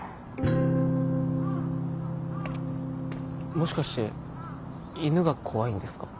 もしかして犬が怖いんですか？